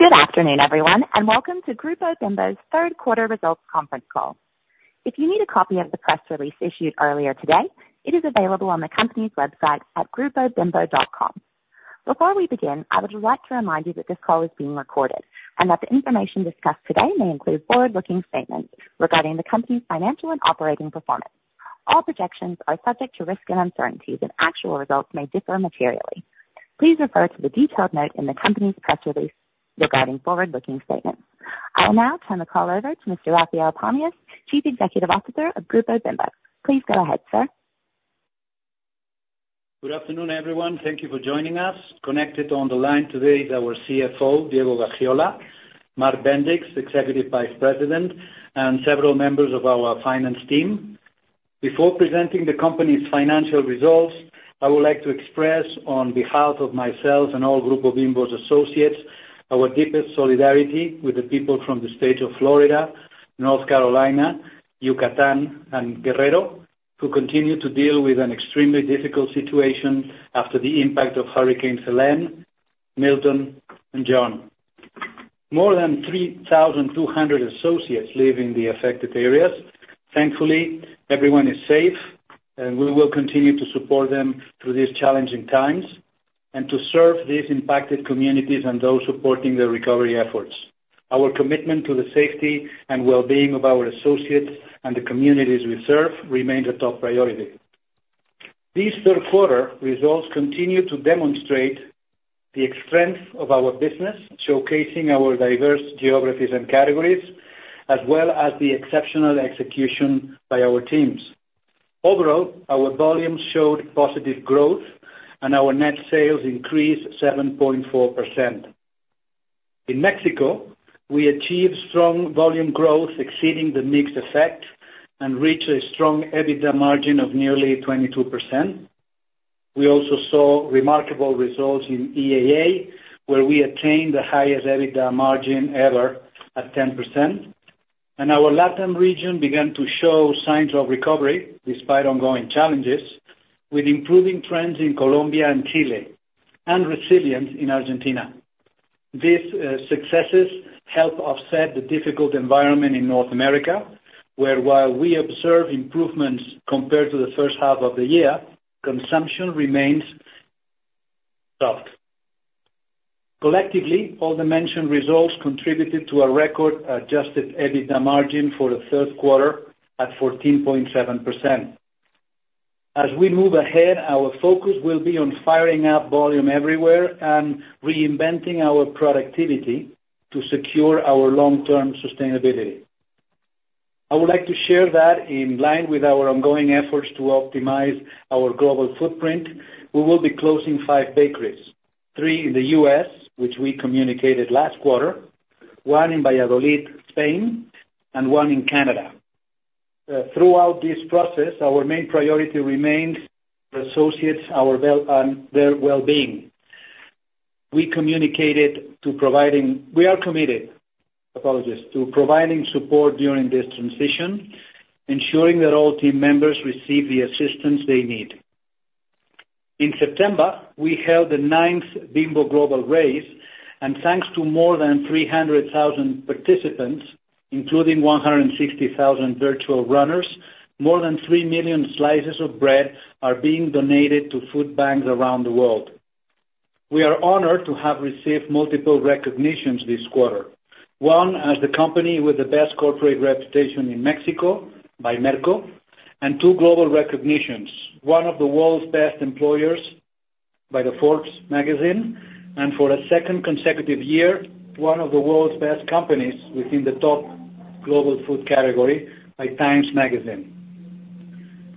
Good afternoon everyone and welcome to Grupo Bimbo's third quarter results conference call. If you need a copy of the press release issued earlier today, it is available on the company's website at grupobimbo.com. Before we begin, I would like to remind you that this call is being recorded and that the information discussed today may include forward-looking statements regarding the Company's financial and operating performance. All projections are subject to risks and uncertainties and actual results may differ materially. Please refer to the detailed note in the Company's press release regarding forward-looking statements. I will now turn the call over to Mr. Rafael Pamias, Chief Executive Officer of Grupo Bimbo. Please go ahead sir. Good afternoon everyone. Thank you for joining us. Connected on the line today is our CFO Diego Gaxiola, Mark Bendix, Executive Vice President and several members of our finance team. Before presenting the Company's financial results, I would like to express on behalf of myself and our Grupo Bimbo associates our deepest solidarity with the people from the State of Florida, North Carolina, Yucatan and Guerrero who continue to deal with an extremely difficult situation after the impact of Hurricane Helena, Milton and John. More than 3,200 associates live in the affected areas. Thankfully, everyone is safe and we will continue to support them through these challenging times and to serve these impacted communities and those supporting their recovery efforts. Our commitment to the safety and well-being of our associates and the communities we serve remains a top priority. This third quarter results continue to demonstrate the strength of our business, showcasing our diverse geographies and categories as well as the exceptional execution by our teams. Overall, our volumes showed positive growth and our net sales increased 7.4%. In Mexico we achieved strong volume growth exceeding the mix effect and reached a strong EBITDA margin of nearly 22%. We also saw remarkable results in EAA where we attained the highest EBITDA margin ever at 10% and our Latin region began to show signs of recovery despite ongoing challenges, with improving trends in Colombia and Chile and resilience in Argentina. These successes help offset the difficult environment in North America where while we observe improvements compared to the first half of the year, consumption remains soft. Collectively, all the mentioned results contributed to a record adjusted EBITDA margin for the third quarter at 14.7%. As we move ahead, our focus will be on firing up volume everywhere and reinventing our productivity to secure our long-term sustainability. I would like to share that in line with our ongoing efforts to optimize our global footprint, we will be closing five bakeries, three in the U.S. which we communicated last quarter, one in Valladolid, Spain and one in Canada. Throughout this process, our main priority remains associates and their well-being. We are committed to providing support during this transition, ensuring that all team members receive the assistance they need. In September we held the 9th Bimbo Global Race and thanks to more than 300,000 participants, including 160,000 virtual runners, more than 3 million slices of bread are being donated to food banks around the world. We are honored to have received multiple recognitions this quarter, one as the company with the best corporate reputation in Mexico by Merco, and two global recognitions, one of the World's Best Employers by the Forbes magazine, and for a second consecutive year, one of the World's Best Companies within the top global food category by TIME magazine.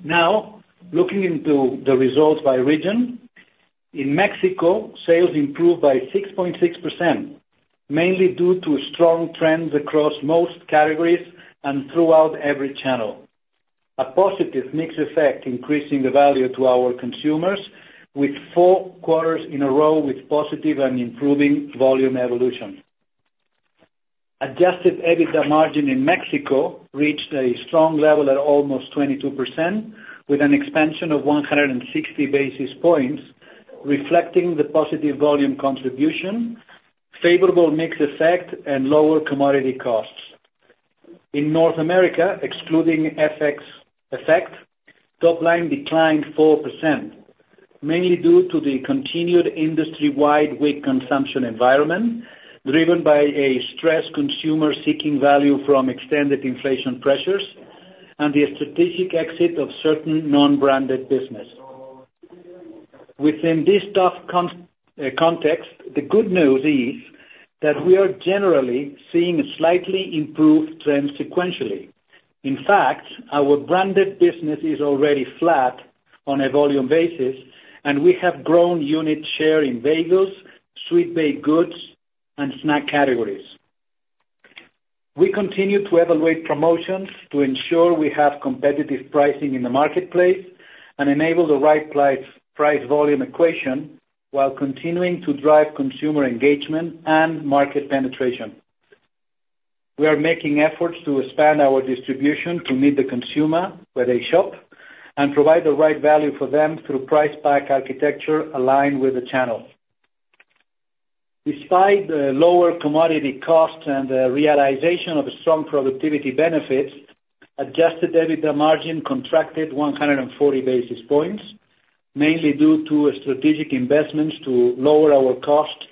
Now, looking into the results by region, in Mexico, sales improved by 6.6%, mainly due to strong trends across most categories and throughout every channel. A positive mix effect, increasing the value to our consumers, with four quarters in a row with positive and improving volume evolution. Adjusted EBITDA margin in Mexico reached a strong level at almost 22% with an expansion of 160 basis points reflecting the positive volume contribution, favorable mix effect and lower commodity costs in North America excluding FX effect. Top line declined 4% mainly due to the continued industry wide weak consumption environment driven by a stressed consumer seeking value from extended inflation pressures and the strategic exit of certain non branded business. Within this tough context, the good news is that we are generally seeing slightly improved trend sequentially. In fact, our branded business is already flat on a volume basis and we have grown unit share in bagels, sweet baked goods and snack categories. We continue to evaluate promotions to ensure we have competitive pricing in the marketplace and enable the right price volume equation while continuing to drive consumer engagement and market penetration. We are making efforts to expand our distribution to meet the consumer where they shop and provide the right value for them through price pack architecture aligned with the channel despite the lower commodity costs and the realization of strong productivity benefits. Adjusted EBITDA margin contracted 140 basis points mainly due to strategic investments to lower our cost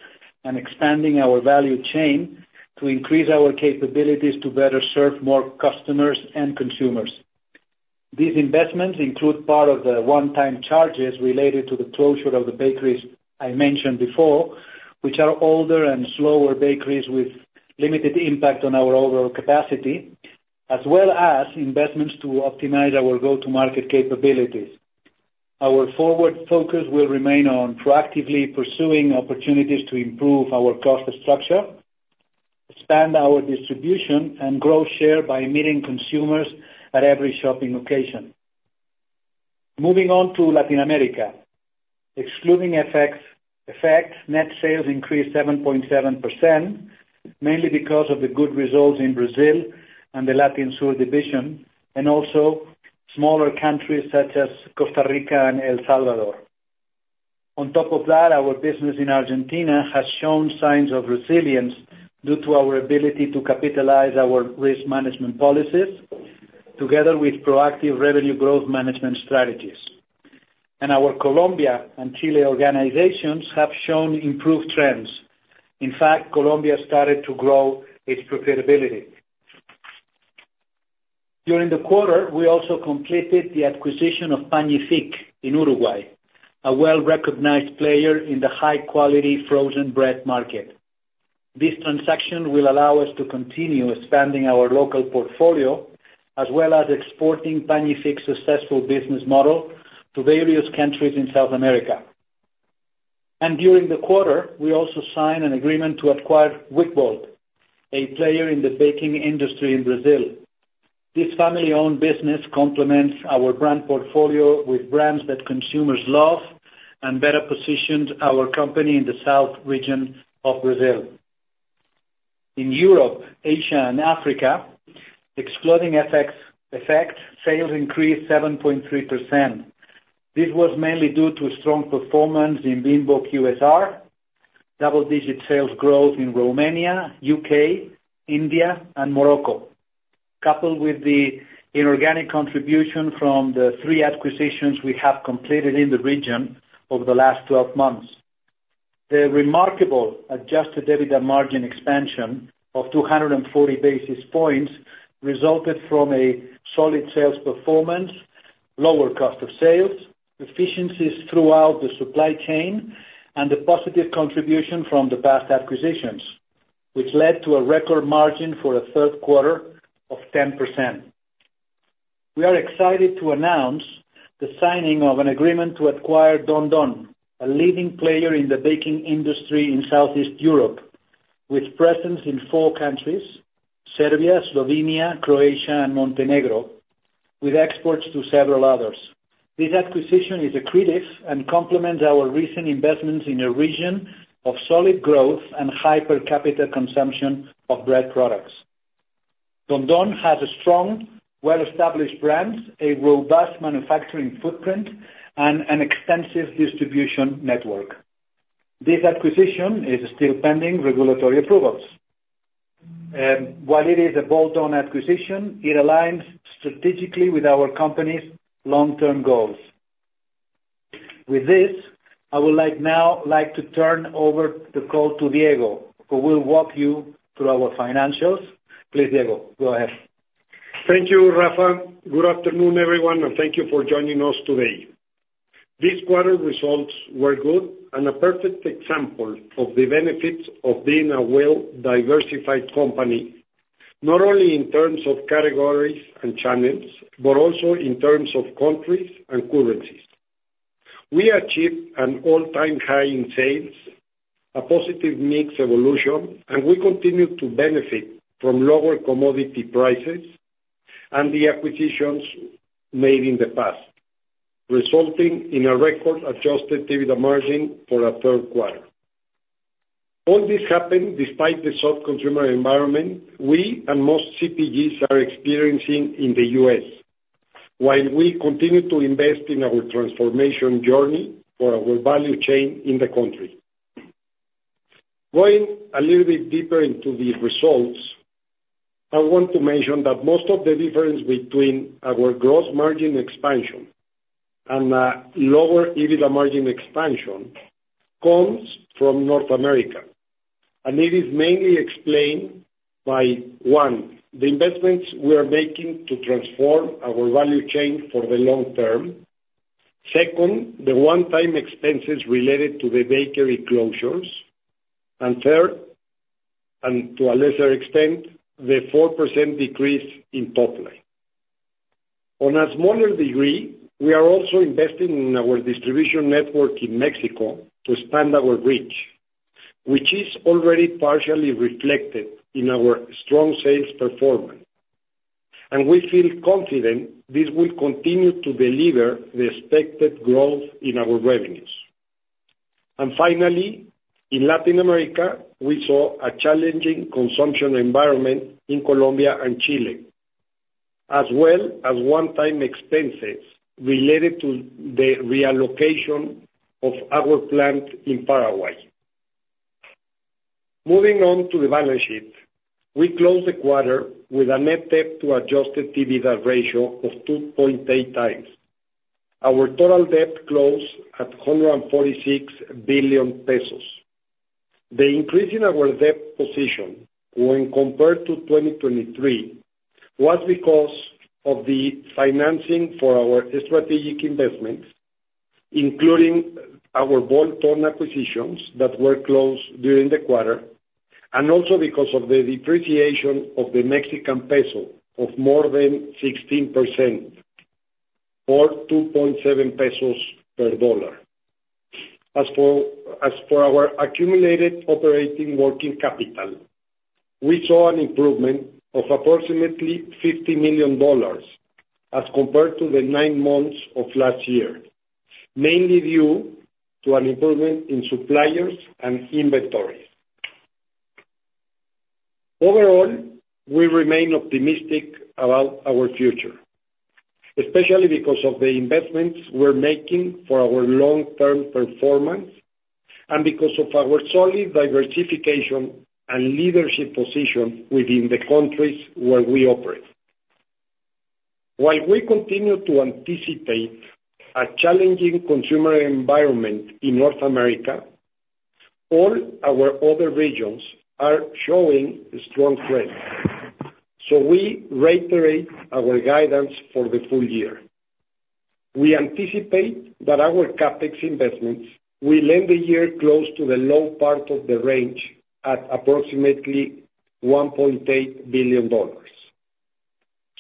and expanding our value chain to increase our capabilities to better serve more customers and consumers. These investments include part of the one time charges related to the closure of the bakeries I mentioned before, which are older and slower bakeries with limited impact on our overall capacity as well as investments to optimize our go to market capabilities. Our forward focus will remain on proactively pursuing opportunities to improve our cost structure, expand our distribution and grow share by meeting consumers at every shopping location. Moving on to Latin America. Excluding FX effect, net sales increased 7.7% mainly because of the good results in Brazil and the Latin America division and also smaller countries such as Costa Rica and El Salvador. On top of that, our business in Argentina has shown signs of resilience due to our ability to capitalize on our risk management policies together with proactive revenue growth management strategies. Our Colombia and Chile organizations have shown improved trends. In fact, Colombia started to grow its profitability. During the quarter we also completed the acquisition of Pagnifique in Uruguay, a well recognized player in the high quality frozen bread market. This transaction will allow us to continue expanding our local portfolio as well as exporting Pagnifique's successful business model to various countries in South America. During the quarter we also signed an agreement to acquire Wickbold, a player in the baking industry in Brazil. This family-owned business complements our brand portfolio with brands that consumers love and better positioned our company in the south region of Brazil, in Europe, Asia, and Africa. Organic sales increased 7.3%. This was mainly due to strong performance in Bimbo QSR, double-digit sales growth in Romania, U.K., India, and Morocco coupled with the inorganic contribution from the three acquisitions we have completed in the region over the last 12 months. The remarkable adjusted EBITDA margin expansion of 240 basis points resulted from a solid sales performance, lower cost of sales efficiencies throughout the supply chain, and the positive contribution from the past acquisitions which led to a record margin for a third quarter of 10%. We are excited to announce the signing of an agreement to acquire Don Don, a leading player in the baking industry in Southeast Europe with presence in four countries, Serbia, Slovenia, Croatia and Montenegro, with exports to several others. This acquisition is accretive and complements our recent investments in a region of solid growth and high per capita consumption of bread products. Don Don has a strong, well-established brand, a robust manufacturing footprint and an extensive distribution network. This acquisition is still pending regulatory approvals. While it is a bolt-on acquisition, it aligns strategically with our company's long-term goals. With this, I would now like to turn over the call to Diego who will walk you through our financials. Please. Diego, go ahead. Thank you, Rafa. Good afternoon, everyone, and thank you for joining us today. This quarter's results were good and a perfect example of the benefits of being a well-diversified company not only in terms of categories and channels, but also in terms of countries and currencies. We achieved an all-time high in sales, a positive mix evolution, and we continue to benefit from lower commodity prices and the acquisitions made in the past, resulting in a record adjusted EBITDA margin for a third quarter. All this happened despite the soft consumer environment we and most CPGs are experiencing in the U.S. while we continue to invest in our transformation journey for our value chain in the country. Going a little bit deeper into the results, I want to mention that most of the difference between our gross margin expansion and lower EBITDA margin expansion comes from North America, and it is mainly explained by one, the investments we are making to transform our value chain for the long term, second, the one-time expenses related to the bakery closures, and third, and to a lesser extent, the 4% decrease in top line. On a smaller degree, we are also investing in our distribution network in Mexico to expand our reach, which is already partially reflected in our strong sales performance, and we feel confident this will continue to deliver the expected growth in our revenues, and finally, in Latin America, we saw a challenging consumption environment in Colombia and Chile as well as one-time expenses related to the reallocation of our plant in Paraguay. Moving on to the balance sheet, we closed the quarter with a net debt to adjusted EBITDA ratio of 2.8x. Our total debt closed at 146 billion pesos. The increase in our debt position when compared to 2023 was because of the financing for our strategic investments, including our bolt-on acquisitions that were closed during the quarter and also because of the depreciation of the Mexican peso of more than 16% or 2.7 pesos per dollar. As for our accumulated operating working capital, we saw an improvement of approximately $50 million as compared to the nine months of last year, mainly due to an improvement in suppliers and inventories. Overall, we remain optimistic about our future, especially because of the investments we're making for our long term performance and because of our solid diversification and leadership position within the countries where we operate. While we continue to anticipate a challenging consumer environment in North America, all our other regions are showing strong trends, so we reiterate our guidance for the full year. We anticipate that our CapEx investments will end the year close to the low part of the range at approximately $1.8 billion.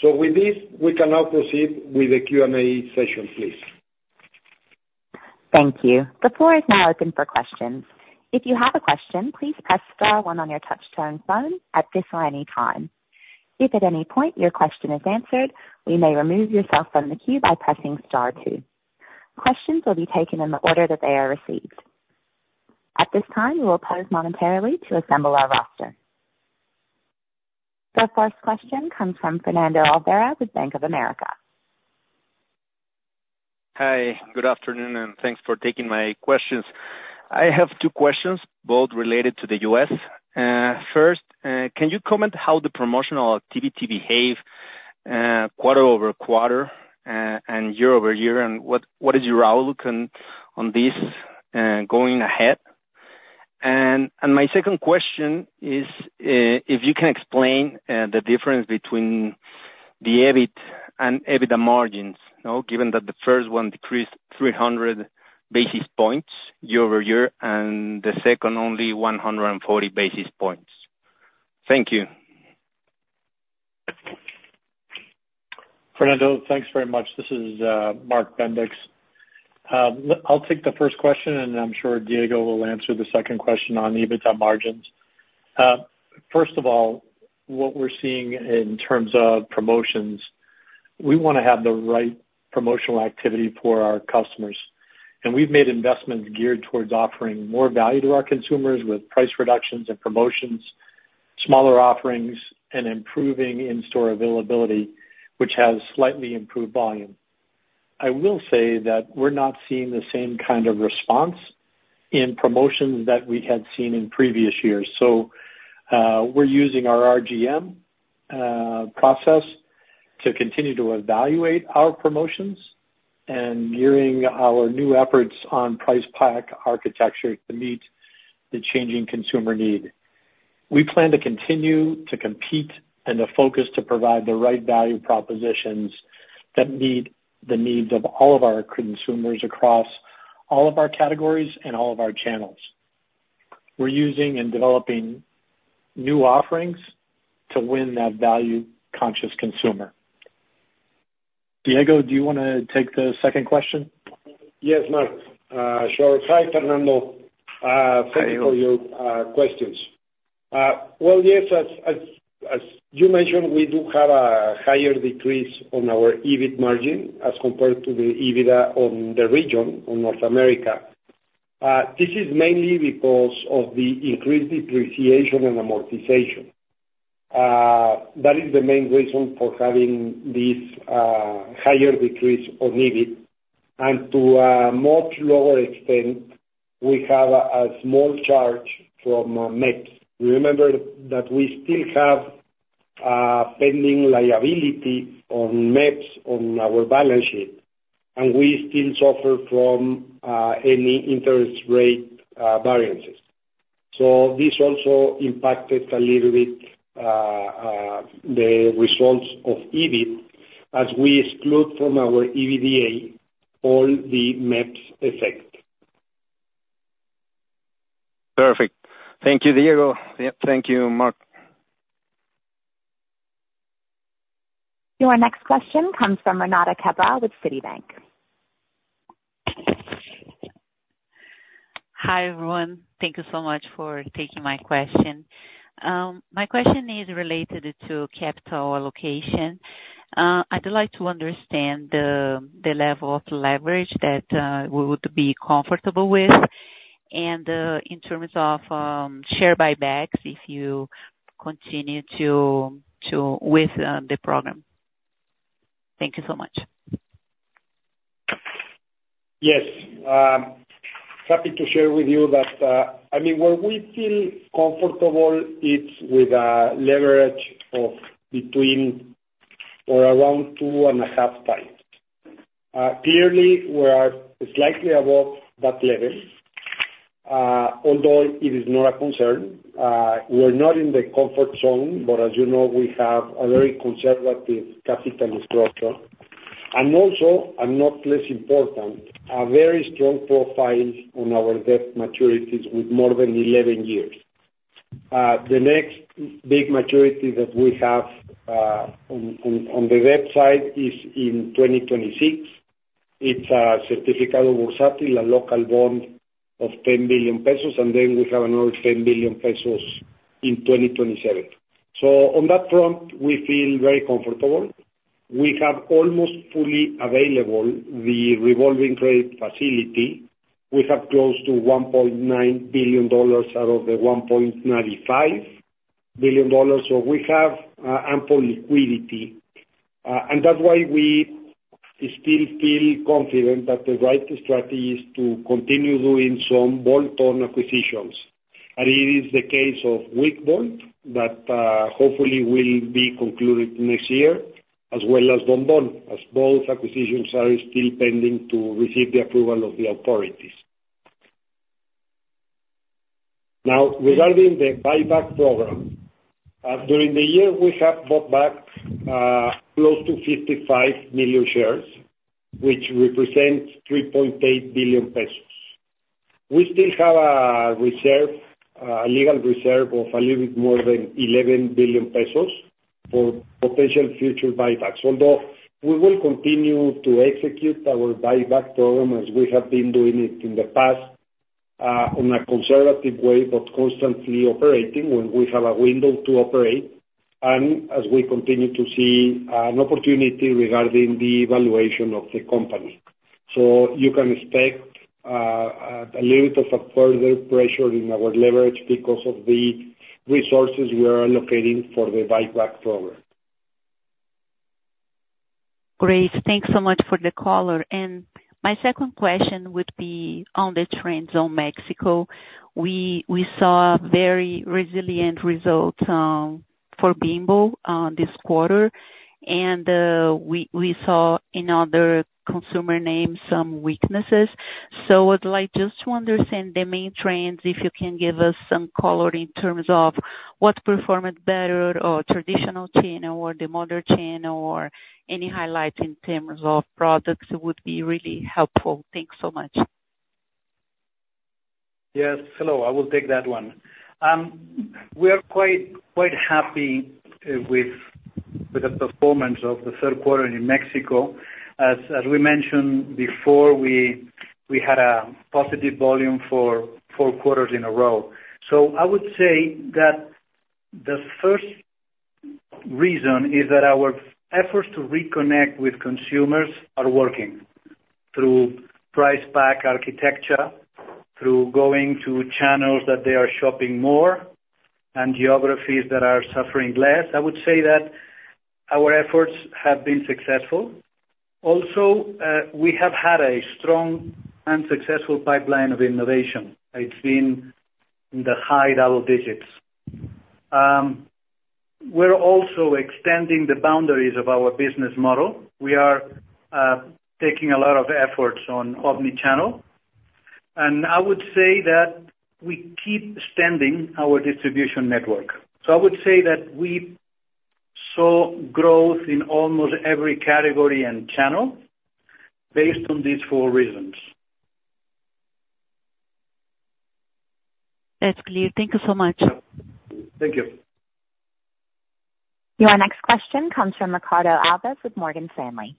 So with this we can now proceed with the Q&A session. Please. Thank you. The floor is now open for questions. If you have a question, please press star one on your touchtone phone at this or any time. If at any point your question is answered, you may remove yourself from the queue by pressing star two. Questions will be taken in the order that they are received. At this time, we will pause momentarily to assemble our roster. The first question comes from Fernando Olvera with Bank of America. Hi, good afternoon and thanks for taking my questions. I have two questions, both related to the U.S. First, can you comment how? The promotional activity behave quarter-over-quarter. Year over year, what is your outlook on this going ahead? My second question is if you can. Explain the difference between the EBIT and EBITDA margins given that the first one. Decreased 300 basis points year-over-year. The second only 140 basis points. Thank you. Fernando. Thanks very much. This is Mark Bendix. I'll take the first question, and I'm sure Diego will answer the second question on EBITDA margins. First of all, what we're seeing in terms of promotions, we want to have the right promotional activity for our customers, and we've made investments geared towards offering more value to our consumers with price reductions and promotions, smaller offerings, and improving in-store availability, which has slightly improved volume. I will say that we're not seeing the same kind of response in promotions that we had seen in previous years, so we're using our RGM process to continue to evaluate our promotions and gearing our new efforts on price pack architecture to meet the changing consumer need. We plan to continue to compete and a focus to provide the right value propositions that meet the needs of all of our consumers across all of our categories and all of our channels. We're using and developing new offerings to win that value conscious consumer. Diego, do you want to take the second question? Yes, Mark, sure. Hi Fernando, thank you for your questions. Yes, as you mentioned, we do have a higher decrease on our EBIT margin as compared to the EBITDA in the region in North America. This is mainly because of the increased depreciation and amortization that is the main reason for having this higher decrease on EBITDA and to a much lower extent we have a small charge from MEPPs. Remember that we still have pending liability on MEPPs on our balance sheet and we still suffer from any interest rate variances. So this also impacted a little bit the results of EBIT as we exclude from our EBITDA all the MEPPs effect. Perfect. Thank you, Diego. Thank you, Mark. Your next question comes from Renata Cabral with Citibank. Hi everyone. Thank you so much for taking my question. My question is related to capital allocation. I'd like to understand the level of leverage that would be comfortable with and in terms of share buybacks if you continue with the program. Thank you so much. Yes, happy to share with you that, I mean, where we feel comfortable it's with a leverage of between or around 2x and 1.5x. Clearly we are slightly above that level, although it is not a concern. We're not in the comfort zone. But as you know, we have a very conservative capital structure and also, and not less important, a very strong profile on our debt maturities with more than 11 years. The next big maturity that we have on the website is in 2026. It's a Certificados Bursátiles, a local bond of 10 billion pesos. And then we have another 10 billion pesos in 2027. So on that front we feel very comfortable. We have almost fully available the revolving credit facility. We have close to $1.9 billion out of the $1.95 billion. So we have ample liquidity. That's why we still feel confident that the right strategy is to continue doing some bolt-on acquisitions. It is the case of Wickbold that hopefully will be concluded next year as well as Don Don as both acquisitions are still pending to receive the approval of the authorities. Now, regarding the buyback program. During the year we have bought back close to 55 million shares, which represents 3.8 billion pesos. We still have a reserve, a legal reserve of a little bit more than 11 billion pesos for potential future buybacks, although we will continue to execute our buyback program as we have been doing it in the past on a conservative way, but constantly operating when we have a window to operate and as we continue to see an opportunity regarding the valuation of the company. So you can expect a little bit of a further pressure in our leverage because of the resources we are allocating for the buyback program. Great. Thanks so much for the caller. And my second question would be on the trends on Mexico. We saw very resilient results for Bimbo this quarter and we saw in other consumer names some weaknesses. So I'd like just to understand the main trends. If you can give us some color in terms of what performed better or traditional channel or the modern channel or any highlights in terms of products would be really helpful. Thanks so much. Yes, hello, I will take that one. We are quite happy with the performance. Of the third quarter in Mexico. As we mentioned before, we had a positive volume for four quarters in a row. So I would say that the first reason is that our efforts to reconnect. With consumers are working through price pack. architecture, through going to channels that they are shopping more and geographies that are suffering less. I would say that our efforts have been successful also. We have had a strong and successful pipeline of innovation; it's been in the high double digits. We're also extending the boundaries of our business model. We are taking a lot of efforts on omnichannel and I would say that we keep standing our distribution network. I would say that we saw growth in almost every category and channel based on these four reasons. That's clear. Thank you so much. Thank you. Your next question comes from Ricardo Alves with Morgan Stanley.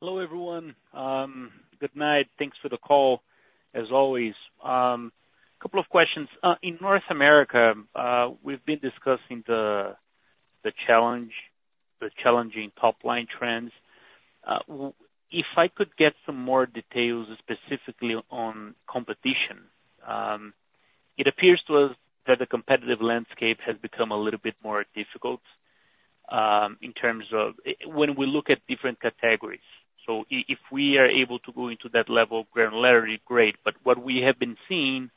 Hello everyone. Good night. Thanks for the call. As always. A couple of questions. In North America we've been discussing the challenge, the challenging top line trends. If I could get some more details specifically on competition? It appears to us that the competitive landscape has become a little bit more difficult in terms of when we look at different categories. So if we are able to go into that level of granularity, great. But what we have been seeing,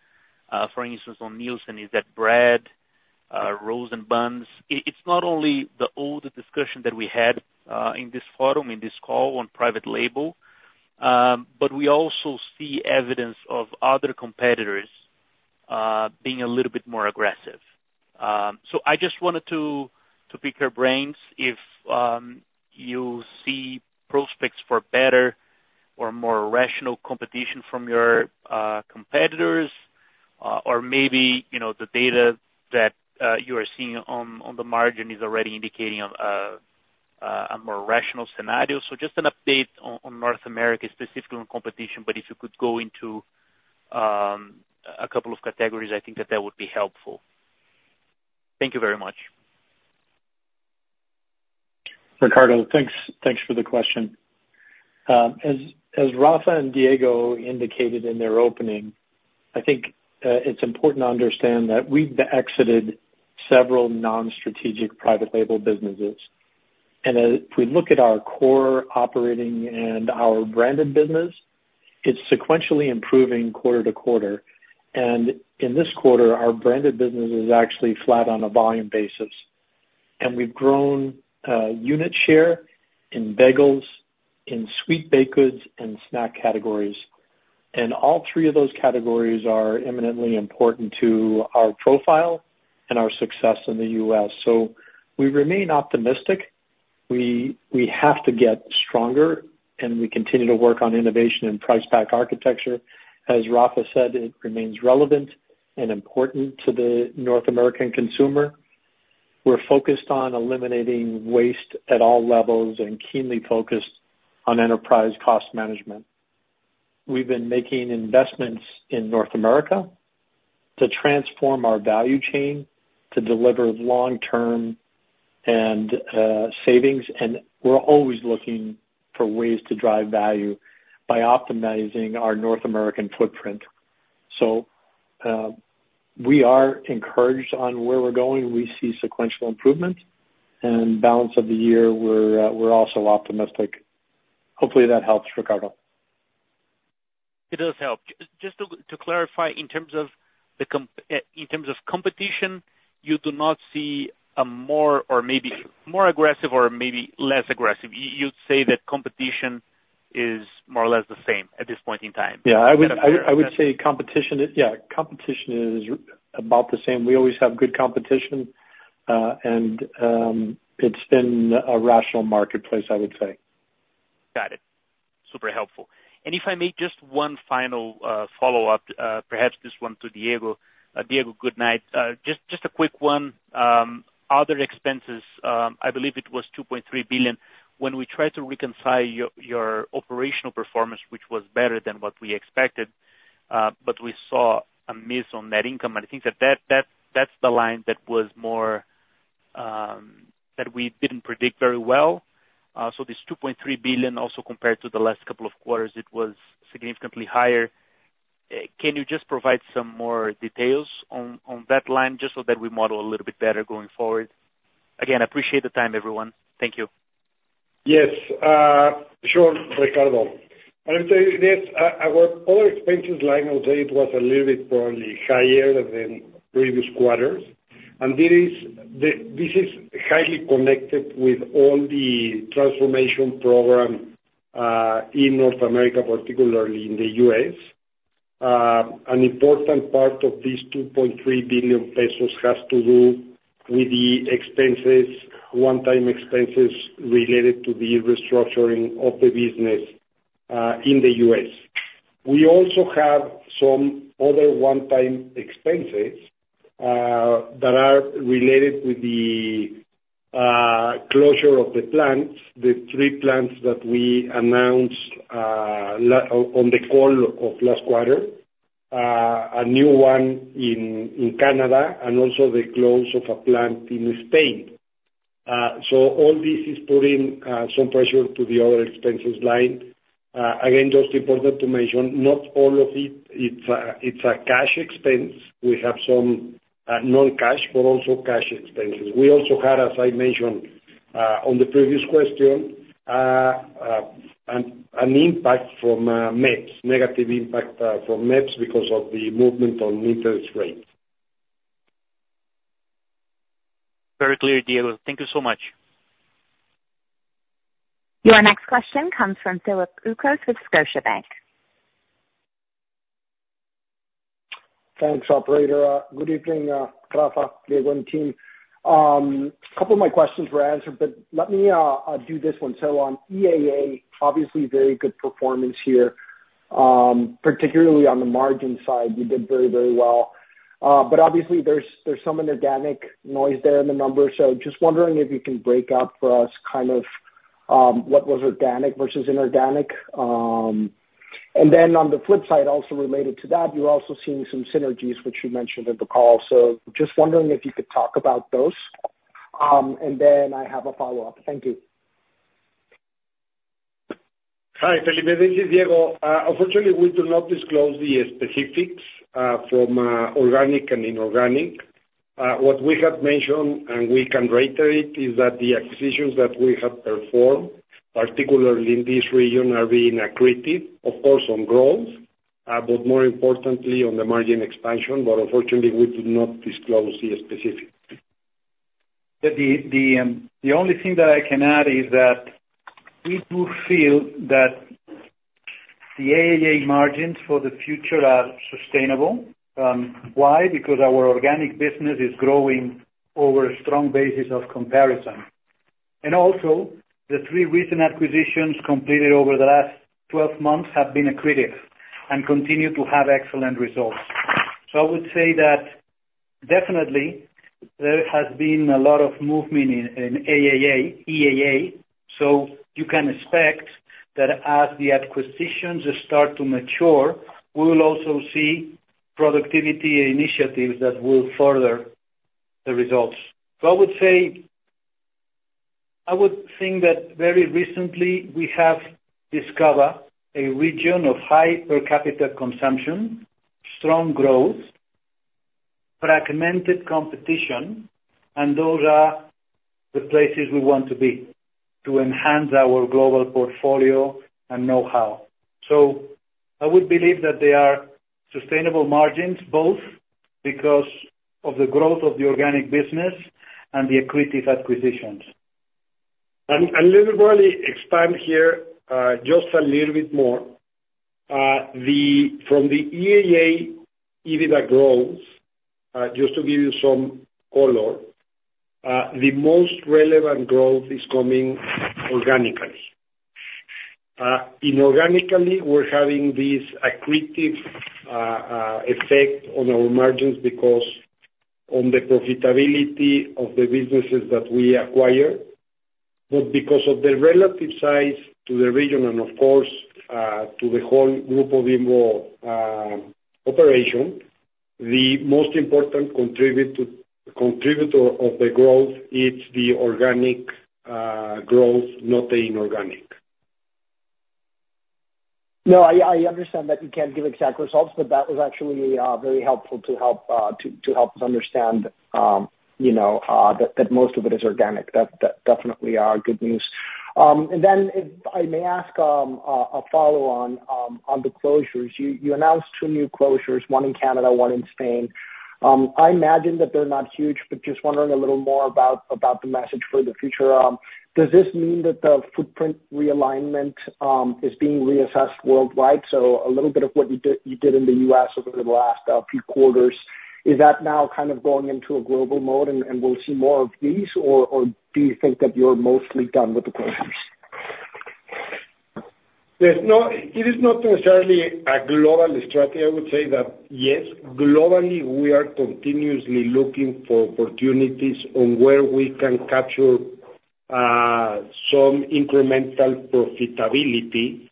for instance on Nielsen is that bread, rolls and buns. It's not only the old discussion that we had in this forum, in this call on private label, but we also see evidence of other competitors being a little bit more aggressive. So I just wanted to pick your brains. If you see prospects for better or more rational competition from your competitors, or maybe the data that you are seeing on the margin is already indicating a more rational scenario? So just an update on North America, specifically on competition, but if you could go into a couple of categories, I think that that would be helpful. Thank you very much. Ricardo. Thanks. Thanks for the question. As Rafa and Diego indicated in their opening, I think it's important to understand that we've exited several non-strategic private label businesses. And if we look at our core operating and our branded business, it's sequentially improving quarter to quarter. And in this quarter our branded business is actually flat on a volume basis and we've grown unit share in bagels, in sweet baked goods and snack categories. And all three of those categories are eminently important to our profile and our success in the U.S. So we remain optimistic. We have to get stronger and we continue to work on innovation and price pack architecture. As Rafa said, it remains relevant and important to the North American consumer. We're focused on eliminating waste at all levels and keenly focused on enterprise cost management. We've been making investments in North America to transform our value chain to deliver long-term and savings, and we're always looking for ways to drive value by optimizing our North American footprint, so we are encouraged on where we're going. We see sequential improvement and balance of the year. We're also optimistic. Hopefully that helps. Ricardo. It does help. Just to clarify, in terms of competition, you do not see a more or maybe more aggressive or maybe less aggressive. You'd say that competition is more or less the same at this point in time? Yeah, I would say competition is about the same. We always have good competition and it's been a rational marketplace, I would say. Got it. Super helpful. And if I make just one final follow up, perhaps this one to Diego. Diego, good night. Just a quick one. Other expenses, I believe it was 2.3 billion. When we tried to reconcile your operational performance, which was better than what we expected, but we saw a miss on net income and I think that that's the line that was more that we didn't predict very well. So this 2.3 billion, also compared to the last couple of quarters, it was significantly higher. Can you just provide some more details on that line? Just so that we model a little bit better going forward. Again, I appreciate the time everyone. Thank you. Yes, sure, Ricardo, I will tell you this. Our other expenses line item was a little bit probably higher than previous quarters. And this is highly connected with all the transformation program in North America, particularly in the U.S. An important part of this 2.3 billion pesos has to do with the expenses, one-time expenses related to the restructuring of the business in the U.S. We also have some other one-time expenses that are related with the closure of the plants. The three plants that we announced on the call of last quarter, a new one in Canada and also the closure of a plant in Spain. So all this is putting some pressure to the other expenses line. Again, just important to mention, not all of it is a cash expense. We have some non-cash, but also cash expenses. We also had, as I mentioned on the previous question, an impact from MEPPs. Negative impact from MEPPs because of the movement on interest rate. Very clear, Diego, thank you so much. Your next question comes from Felipe Ucros with Scotiabank. Thanks operator. Good evening. Rafael, Diego and team. A couple of my questions were answered but let me do this one. So on EAA, obviously very good performance here, particularly on the margin side, you did very, very well. But obviously there's some inorganic noise there in the numbers. So just wondering if you can break down for us kind of what was organic versus inorganic. And then on the flip side, also related to that, you're also seeing some synergies which you mentioned in the call. So just wondering if you could talk about those and then I have a follow up. Thank you. Hi Felipe, this is Diego. Unfortunately we do not disclose the specifics from organic and inorganic. What we have mentioned, and we can reiterate, is that the acquisitions that we have performed, particularly in this region, are being accretive, of course on growth, but more importantly on the margin expansion. But unfortunately we do not disclose the specific. The only thing that I can add. Is that we do feel that the. Our margins for the future are sustainable. Why? Because our organic business is growing over. A strong basis of comparison. Also, the three recent acquisitions completed over the last 12 months have been. Accretive and continue to have excellent results. So I would say that definitely there has been a lot of movement in EAA. So you can expect that as the acquisitions start to mature, we will also see productivity initiatives that will further the results. So I would say, I would think that very recently we have discovered a region of high per capita consumption, strong growth, fragmented competition, and those are the places we want to be to enhance our global portfolio and know-how. So I would believe that they are sustainable margins, both because of the growth of the organic business and the accretive acquisitions. Let me really expand here just a little bit more from the EAA EBITDA growth, just to give you some color. The most relevant growth is coming organically, inorganically. We're having this accretive effect on our margins because on the profitability of the businesses that we acquire, but because of the relative size to the region and of course to the whole Grupo Bimbo operation. The most important contributor of the growth, it's the organic growth, not inorganic. No, I understand that you can't give exact results, but that was actually very helpful to help us understand, you know, that most of it is organic. That definitely good news. And then, if I may ask, a follow on the closures. You announced two new closures, one in Canada, one in Spain. I imagine that they're not huge, but just wondering a little more about the message for the future. Does this mean that the footprint realignment is being reassessed worldwide? A little bit of what you. Did in the U.S. over the last few quarters, is that now kind of going into a global mode and we'll? See more of these, or do you think that you're mostly done with the closures? It is not necessarily a global strategy? I would say that yes, globally we are continuously looking for opportunities on where we can capture some incremental profitability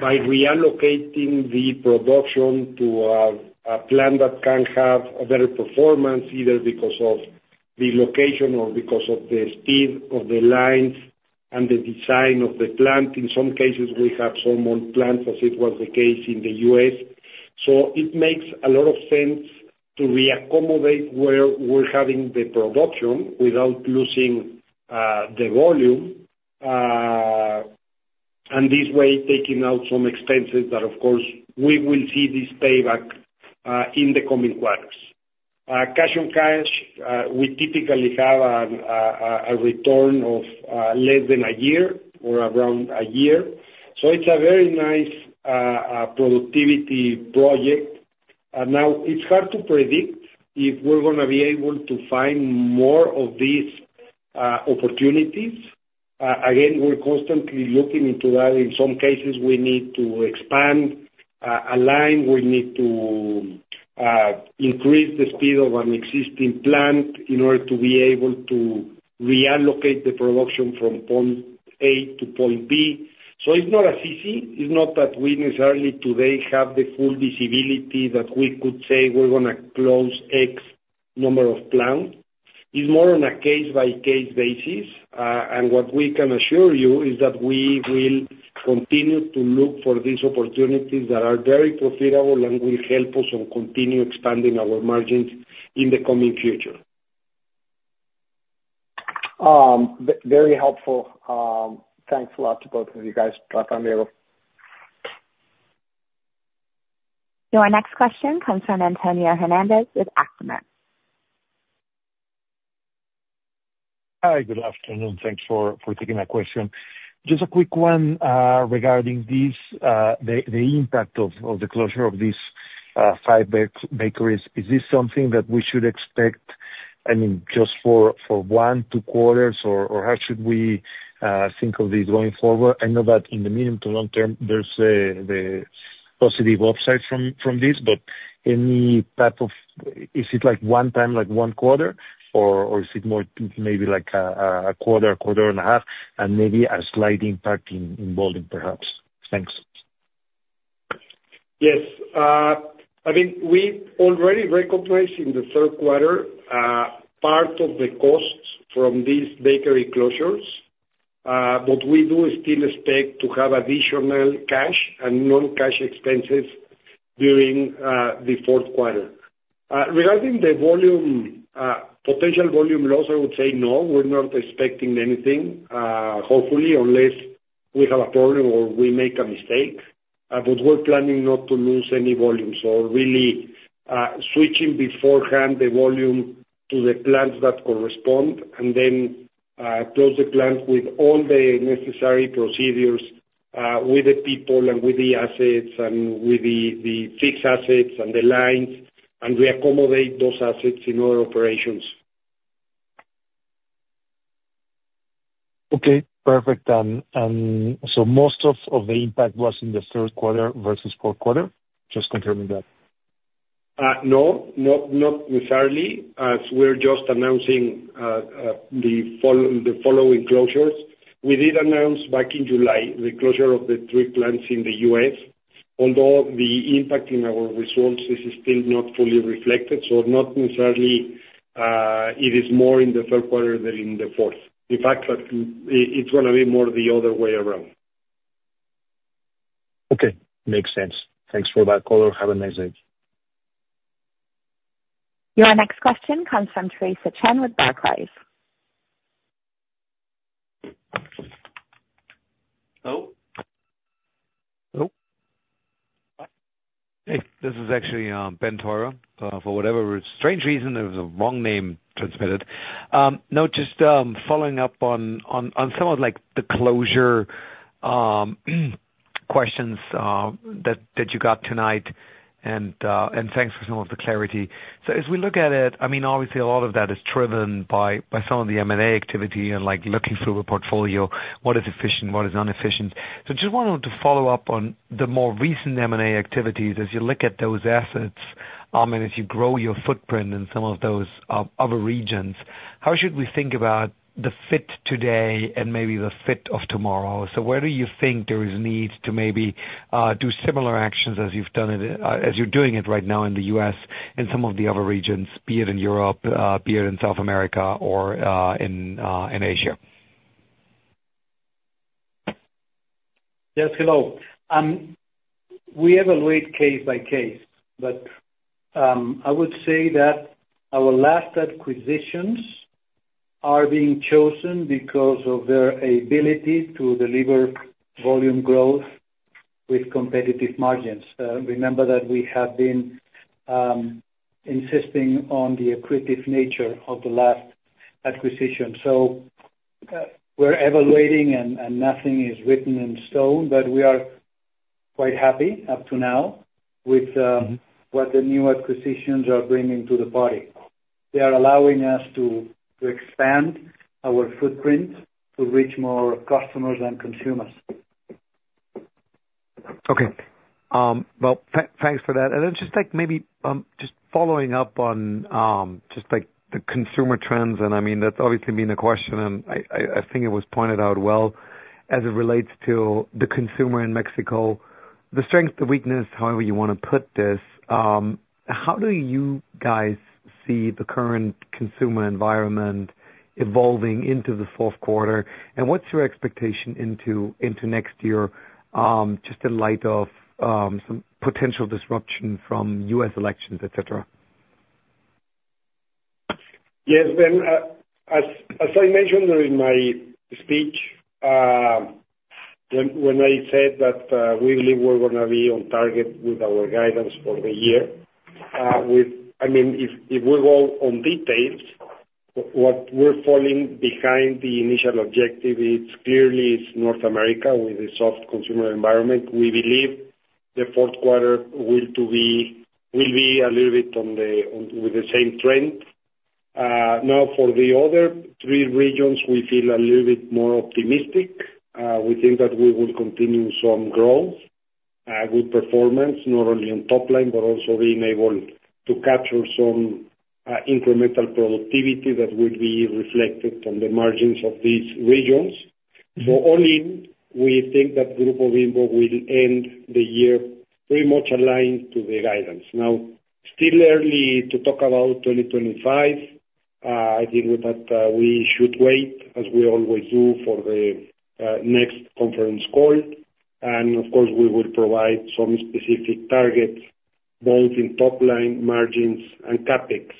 by reallocating the production to a plant that can have a better performance, either because of the location or because of the speed of the lines and the design of the plant. In some cases we have a single plant as it was the case in the U.S. So it makes a lot of sense to reaccommodate where we're having the production without losing the volume and this way taking out some expenses that of course we will see this payback in the coming quarters. Cash on cash. We typically have a return of less than a year or around a year. So it's a very nice productivity project. Now it's hard to predict if we're going to be able to find more of these opportunities. Again, we're constantly looking into that. In some cases we need to expand, align, we need to increase the speed of an existing plant in order to be able to reallocate the production from point A to point B. So it's not as easy. It's not that we necessarily today have the full visibility that we could say we're going to close X number of plants. It's more on a case by case basis. And what we can assure you is that we will continue to look for these opportunities that are very profitable and will help us to continue expanding our margins in the coming future. Very helpful. Thanks a lot to both of you guys. Your next question comes from Antonio Hernández with Actinver. Hi, good afternoon. Thanks for taking that question. Just a quick one regarding this, the impact of the closure of these five bakeries. Is this something that we should expect, I mean just for one to quarters or how should we think of these going forward? I know that in the medium to long term there's positive upside from this, but any type of. Is it like one time, like one. Quarter, or is it more maybe like? A quarter, quarter and a half and maybe a slight impact in volume, perhaps. Thanks. Yes, I mean, we already recognized in the third quarter part of the costs from these bakery closures, but we do still expect to have additional cash and non-cash expenses during the fourth quarter. Regarding the volume, potential volume loss, I would say no. We're not expecting anything. Hopefully, unless we have a problem or we make a mistake, but we're planning not to lose any volume, so really switching beforehand the volume to the plants that correspond and then close the plant with all the necessary procedures with the people and with the assets and with the fixed assets and the lines and we accommodate those assets in our operations. Okay, perfect, so most of the impact was in the third quarter versus fourth quarter. Just confirming that? No, not necessarily. As we're just announcing the following closures. We did announce back in July the closure of the three plants in the U.S. although the impact in our results is still not fully reflected. So not necessarily it is more in the third quarter than in the fourth. In fact, it's going to be more the other way around. Okay, makes sense. Thanks for that color. Have a nice day. Your next question comes from Teresa Chen with Barclays. Hello. Hello. Hey, this is actually Benjamin Theurer. For whatever strange reason there was a wrong name transmitted. No, just following up on some of. Like the closure. Questions that you got tonight and thanks for some of the clarity. So as we look at it, I mean, obviously a lot of that is driven by some of the M&A activity and like looking through a portfolio, what is efficient, what is inefficient. So just wanted to follow up on the more recent M&A activities. As you look at those assets and as you grow your footprint in some of those other regions, how should we think about the fit today and maybe the fit of tomorrow? So where do you think there is need to maybe do similar actions as you've done it, as you're doing it right now in the U.S. in some of the other regions, be it in Europe, be it in South America or in Asia? Yes, hello. We evaluate case by case, but I would say that our last acquisitions are being chosen because of their ability to deliver volume growth with competitive margins. Remember that we have been insisting on the accretive nature of the last acquisition. So we're evaluating and nothing is written. In stone, but we are quite happy. Up to now with what the new acquisitions are bringing to the party. They are allowing us to expand our footprint to reach more customers and consumers. Okay, well, thanks for that. I'd just like, maybe, just following. Up on just like the consumer trends. And I mean, that's obviously been a question and I think it was pointed out well as it relates to the consumer in Mexico, the strength, the weakness, however you want to put this. How do you guys see the current consumer environment evolving into the fourth quarter and what's your expectation into next year, just in light of some potential disruption from U.S. Elections, et cetera? Yes. Then, as I mentioned during my speech, when I said that we believe we're going to be on target with our guidance for the year. I mean, if we go into details, what we're falling behind the initial objective, it's clearly North America with a soft consumer environment. We believe that the fourth quarter will be a little bit with the same trend. Now, for the other three regions, we feel a little bit more optimistic. We think that we will continue some growth, good performance, not only on top line, but also being able to capture some incremental productivity that will be reflected on the margins of these regions. So all in, we think that Grupo Bimbo will end the year pretty much aligned to the guidance. Now it's still early to talk about 2025. I think that we should wait, as we always do, for the next conference call and of course we will provide some specific targets both in top line margins and CapEx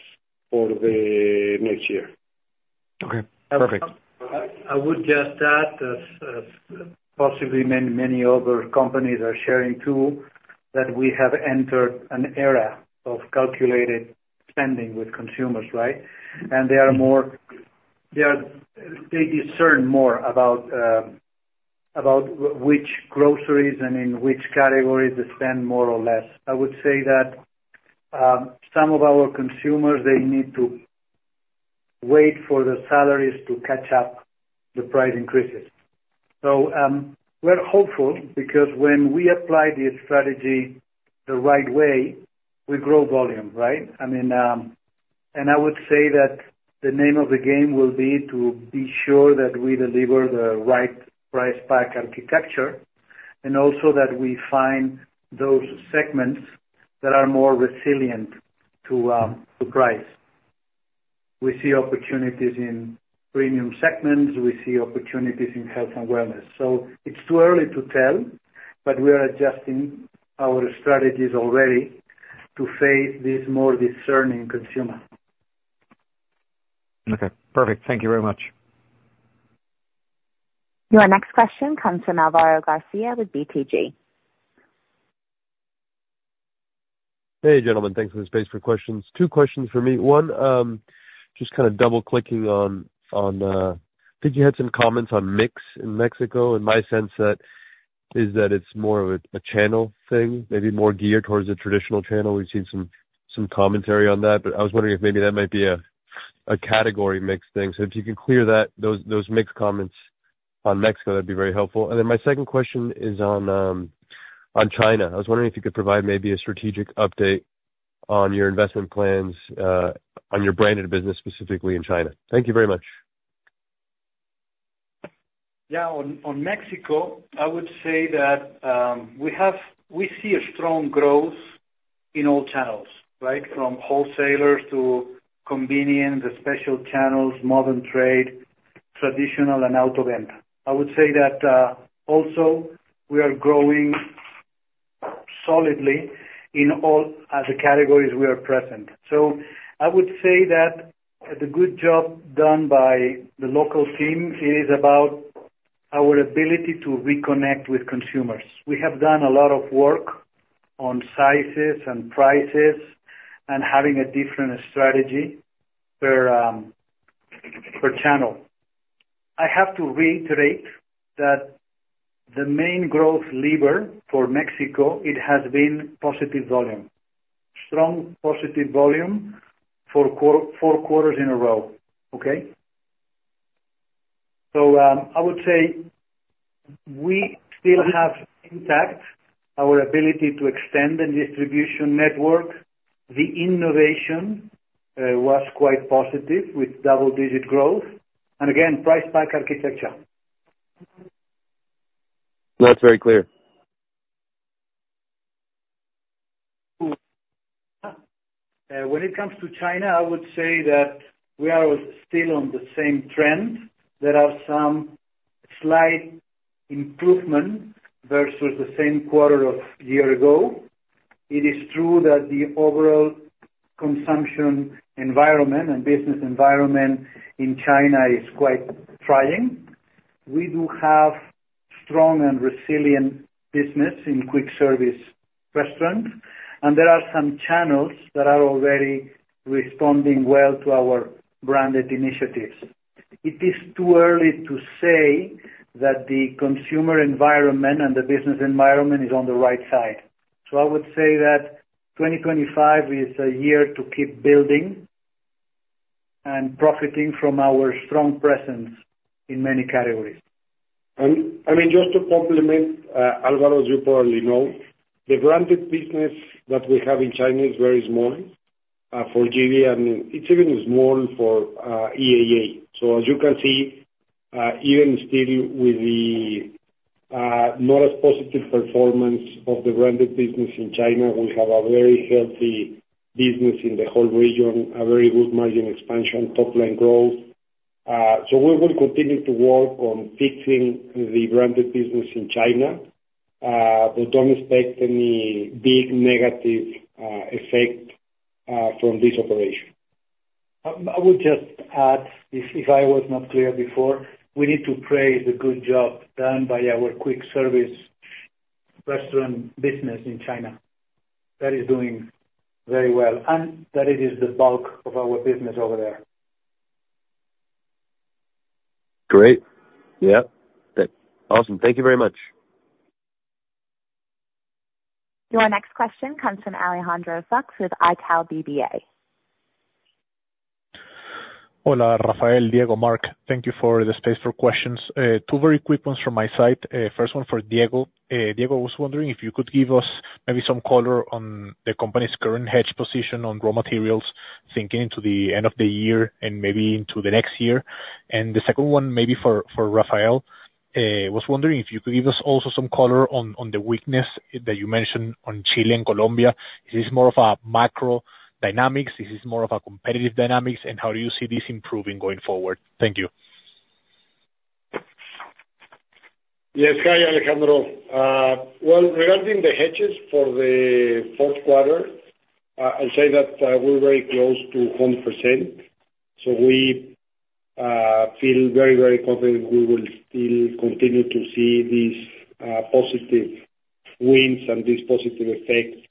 for the next year. Okay, perfect. I would just add possibly many other. Companies are sharing too that we have entered an era of calculated spending with consumers. Right? And they are more. They discern more about which groceries and in which categories they spend more or less. I would say that some of our consumers, they need to wait for their salaries to catch up the price increases. So we're hopeful because when we apply this strategy the right way, we grow volume, right? I mean, and I would say that the name of the game will be to be sure that we deliver the. Right price pack architecture and also that we find those segments that are more resilient to price. We see opportunities in premium segments. We see opportunities in health and wellness. So it's too early to tell, but we are adjusting our strategies already to face these more discerning consumers. Okay, perfect. Thank you very much. Your next question comes from Álvaro García with BTG. Hey gentlemen, thanks for the space for questions. Two questions for me. One, just kind of double clicking on. I think you had some comments on mix in Mexico. And my sense is that it's more of a channel thing, maybe more geared towards a traditional channel. We've seen some commentary on that, but I was wondering if maybe that might be a category mix thing. So if you can clear those mixed comments on Mexico, that'd be very helpful. And then my second question is on China. I was wondering if you could provide maybe a strategic update on your investment plans on your branded business, specifically in China. Thank you very much. On Mexico, I would say that we have. We see a strong growth in all channels, right? From wholesalers to convenience, the special channels. modern trade, traditional and open market. I would say that also we are growing solidly in all the categories we are present, so I would say that the good job done by the local team is about our ability to reconnect with consumers. We have done a lot of work on sizes and prices and having a different strategy per channel. I have to reiterate that the main growth lever for Mexico, it has been positive volume, strong positive volume for four quarters in a row. Okay. So I would say we still have intact our ability to extend the distribution network. The innovation was quite positive with double-digit growth and again, price pack architecture. That's very clear. When it comes to China, I would say that we are still on the same trend. There are some slight improvements versus the same quarter a year ago. It is true that the overall consumption environment and business environment in China is quite trying. We do have strong and resilient business in quick service restaurants and there are some channels that are already responding well to our branded initiatives. It is too early to say that the consumer environment and the business environment is on the right side. So I would say that 2025 is a year to keep building and profiting from our strong presence in many categories. I mean, just to complement Álvaro, as you probably know, the branded business that we have in China is very small for GB and it's even small for EAA. So as you can see, even still with the not as positive performance of the branded business in China, we have a very healthy business in the whole region, a very good margin expansion, top line growth. So we will continue to work on fixing the branded business in China, but don't expect any big negative effect from this operation. I would just add, if I was not clear before, we need to praise. The good job done by our quick service restaurant business in China that is doing very well and that it is. The bulk of our business over there. Great. Yeah, awesome. Thank you very much. Your next question comes from Alejandro Fuchs with Itaú BBA. Hola, Rafael. Diego. Mark, thank you for the space for questions. Two very quick ones from my side. First one for Diego, Diego was wondering if you could give us maybe some color on the company's current hedge position on raw materials thinking to the end of the year and maybe into the next year. The second one maybe for Rafael. Was wondering if you could give us also some color on the weakness that you mentioned on Chile and Colombia? Is this more of a macro dynamics? Is this more of a competitive dynamics, and how do you see this improvement improving going forward? Thank you. Yes. Hi Alejandro. Well, regarding the hedges for the fourth quarter, I'd say that we're very close to 100%. So we feel very, very confident we will still continue to see these positive wins and this positive effect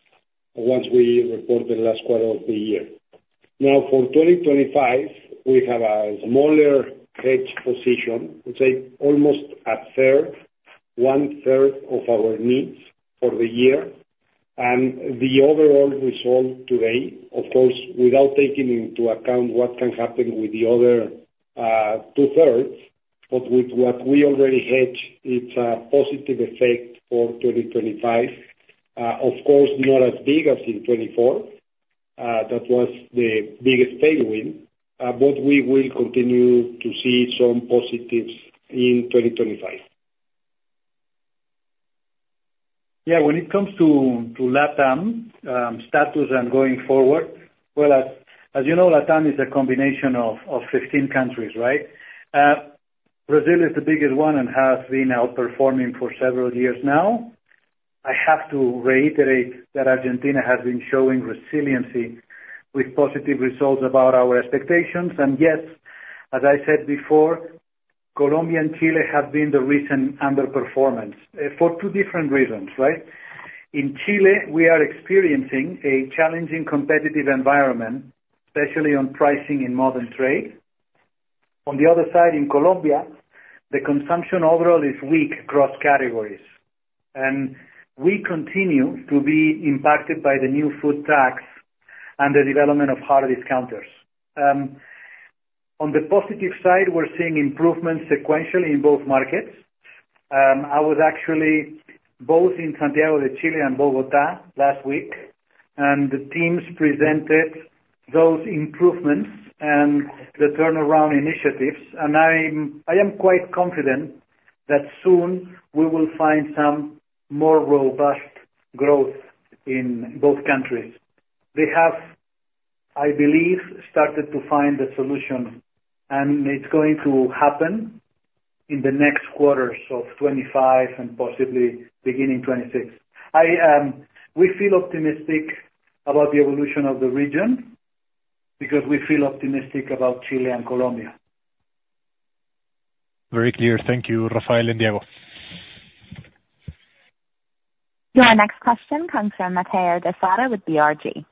once we report the last quarter of the year. Now for 2025 we have a smaller hedge position, say almost a third, one third of our needs for the year and the overall result today, of course, without taking into account what can happen with the other two thirds, but with what we already hedged, it's a positive effect for 2025, of course, not as big as in 2024. That was the biggest tailwind. But we will continue to see some positives in 2025. Yeah. When it comes to LATAM status and going forward. Well, as you know, LATAM is a combination of 15 countries, right? Brazil is the biggest one and has been outperforming for several years now. I have to reiterate that Argentina has been showing resiliency with positive results above our expectations, and yes, as I said before, Colombia and Chile have been the recent underperformers. For two different reasons. Right. In Chile we are experiencing a challenging competitive environment, especially on pricing in modern trade. On the other side in Colombia, the consumption overall is weak across categories and we continue to be impacted by the new food tax and the development of hard discounters. On the positive side, we're seeing improvements sequentially in both markets. I was actually both in Santiago de Chile and Bogotá last week and the teams presented those improvements and the turnaround initiatives. And I am quite confident that soon we will find some more robust growth in both countries. They have, I believe, started to find a solution and it's going to happen in the next quarters of 2025 and possibly beginning 2026. We feel optimistic about the evolution of the region because we feel optimistic about Chile and Colombia. Very clear. Thank you. Rafael and Diego. Your next question comes from Mateo Besada with The Rohatyn Group.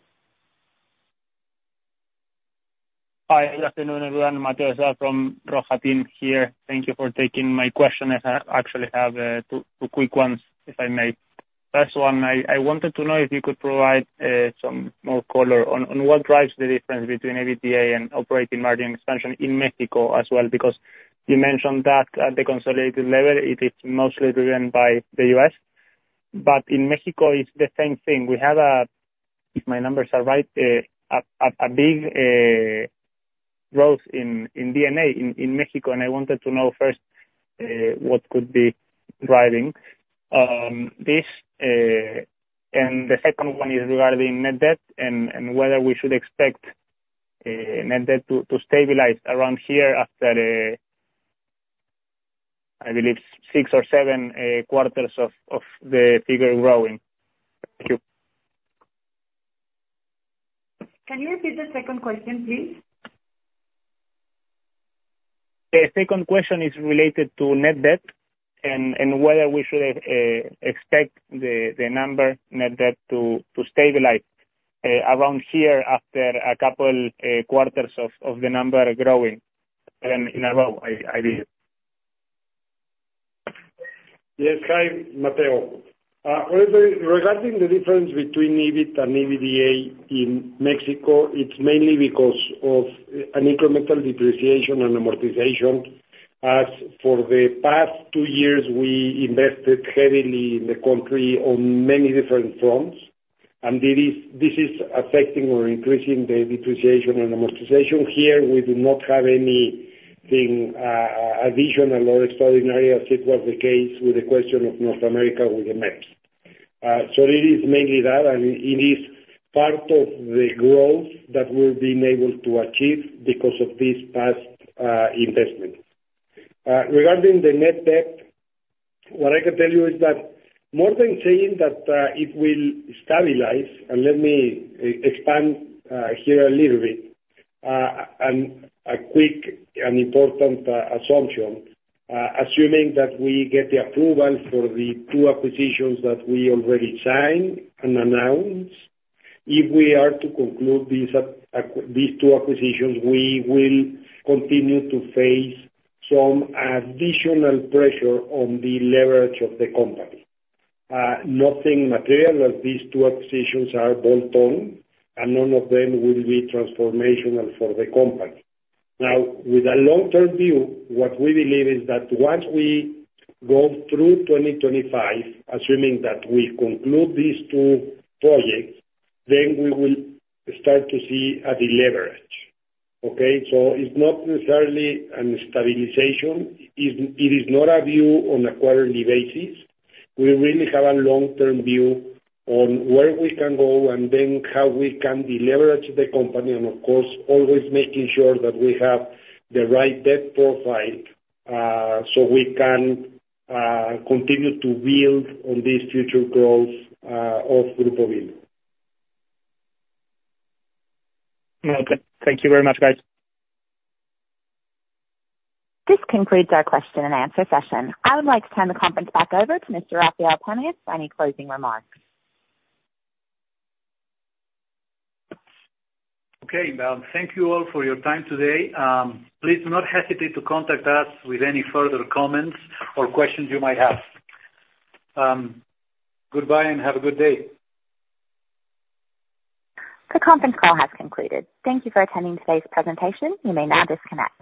Hi, good afternoon everyone. Mateo Besada from The Rohatyn Group here. Thank you for taking my question. I actually have two quick ones if I may. First one, I wanted to know if you could provide some more color on? What drives the difference between EBITDA and operating margin expansion in Mexico as well, because you mentioned that at the consolidated level it is mostly driven by the U.S. but in Mexico it's the same thing. We have, if my numbers are right, a big growth in D&A in Mexico. And I wanted to know first what could be driving this? And the second one is regarding net debt and whether we should expect net debt to stabilize around here after I believe, six or seven quarters of the figure growing. Thank you. Can you repeat the second question, please? The second question is related to net debt and whether we should expect the number net debt to stabilize around here after a couple quarters of the number growing in a row. I believe. Yes. Hi Matteo. Regarding the difference between EBIT and EBITDA in Mexico, it's mainly because of an incremental depreciation and amortization as for the past two years we invested heavily in the country on many different fronts and this is affecting or increasing the depreciation and amortization. Here we do not have anything additional or extraordinary, as it was the case with the question of North America with the MEPPs. So it is mainly that and it is part of the growth that we're being able to achieve because of these past investments. Regarding the net debt, what I can tell you is that more than saying that it will stabilize and let me expand here a little bit, a quick and important assumption. Assuming that we get the approval for the two acquisitions that we already signed and announced, if we are to conclude these two acquisitions, we will continue to face some additional pressure on the leverage of the company. Nothing material, that these two acquisitions are bolt-on and none of them will be transformational for the company. Now, with a long-term view, what we believe is that once we go through 2025, assuming that we conclude these two projects, then we will start to see a deleverage. Okay? So it's not necessarily a stabilization. It is not a view on a quarterly basis. We really have a long term view on where we can go and then how we can deleverage the company. And of course, always making sure that we have the right debt profile so we can continue to build on these future growth of Grupo Bimbo. Okay, thank you very much, guys. This concludes our question and answer session. I would like to turn the conference back over to Mr. Rafael Pamias for any closing remarks. Okay, thank you all for your time today. Please do not hesitate to contact us with any further comments or questions you might have. Goodbye and have a good day. The conference call has concluded. Thank you for attending today's presentation. You may now disconnect.